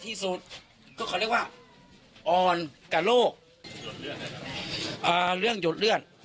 ที่สุดก็เขาเรียกว่าอ่อนกับโลกเรื่องหยดเลื่อน